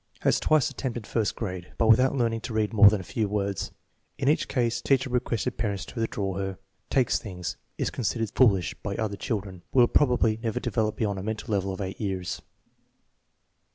Has twice attempted first grade, but without learning to read more than u few words. In each case teacher requested parents to withdraw her. "Takes" things. Is considered "foolish" by the other children. Will prob ably never develop beyond a mental level of 8 years.